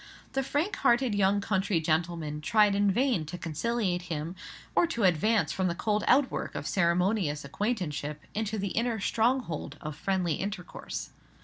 The frank hearted young country gentleman tried in vain to conciliate him, or to advance from the cold out work of ceremonious acquaintanceship into the inner stronghold of friendly intercourse.